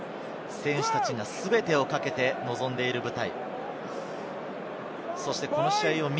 選手たちが全てをかけて臨んでいる舞台。